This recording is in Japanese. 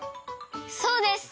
そうです！